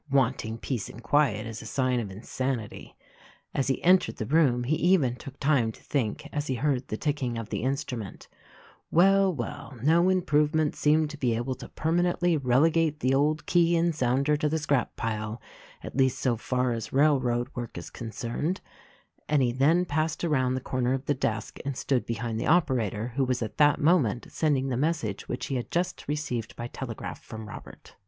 wanting peace and quiet is a sign of insan ity." As he entered the room he even took time to think 107 io8 THE RECORDING ANGEL as he heard the ticking of the instrument, "Well, well, no improvements seem to be able to permanently relegate the old key and sounder to the scrap pile — at least so far as railroad work is concerned," and he then passed around the corner of the desk and stood behind the operator who was at that moment sending the message which he had just received by telegraph from Robert.